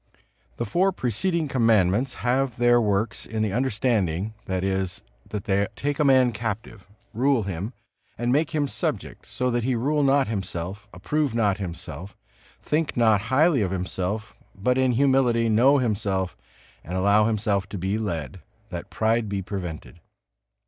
The four preceding Commandments have their works in the understanding, that is, they take a man captive, rule him and make him subject, so that he rule not himself, approve not himself, think not highly of himself; but in humility know himself and allow himself to be led, that pride be prevented.